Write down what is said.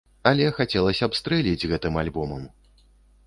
Але хацелася б стрэліць гэтым альбомам.